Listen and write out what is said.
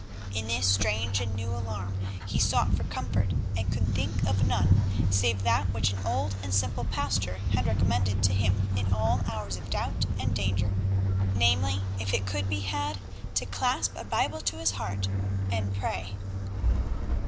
In this strange and new alarm he sought for comfort and could think of none save that which an old and simple pastor had recommended to him in all hours of doubt and danger, namely, if it could be had, to clasp a Bible to his heart and pray.